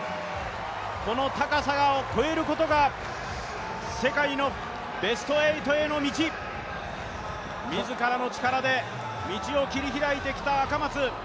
この高さを越えることが世界のベスト８の道、自らの力で道を切り開いてきた赤松。